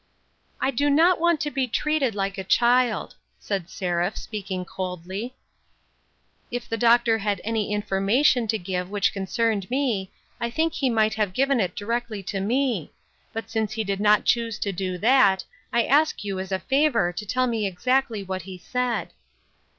" I do not want to be treated like a child," said Seraph, speaking coldly. " If the doctor had any information to give which concerned me, I think he might have given it directly to me ; but since WAITING. 237 he did not choose to do that, I ask you as a favor to tell me exactly what he said."